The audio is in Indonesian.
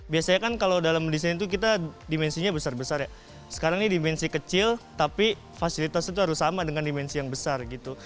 biasanya kan kalau dalam desain itu kita dimensinya besar besar ya sekarang ini dimensi kecil tapi fasilitas itu harus sama dengan dimensi yang besar gitu